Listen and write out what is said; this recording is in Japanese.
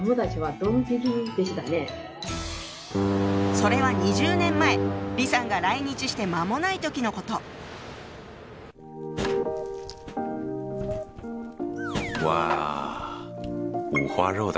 それは２０年前李さんが来日して間もない時のこと。わ。